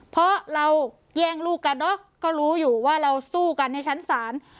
เพราะเราแย่งลูกกันเนอะก็รู้อยู่ว่าเราสู้กันในชั้นศาล